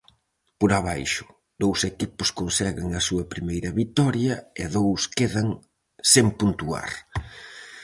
Por abaixo, dous equipos conseguen a súa primeira vitoria, e dous quedan sen puntuar.